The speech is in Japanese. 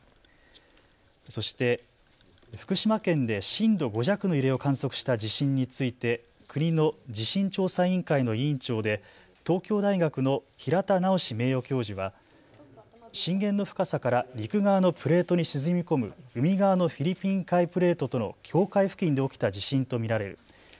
そして福島県で震度５弱の揺れを観測した地震について国の地震調査委員会の委員長で東京大学の平田直名誉教授は震源の深さから陸側のプレートに沈み込む海側のフィリピン海プレートとの境界付近で起きた地震と見られる。